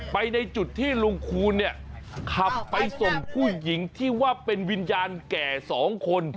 ในจุดที่ลุงคูณเนี่ยขับไปส่งผู้หญิงที่ว่าเป็นวิญญาณแก่สองคน